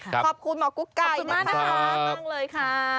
ครับขอบคุณหมอกุ๊กไก่นะครับมากเลยค่ะขอบคุณมาก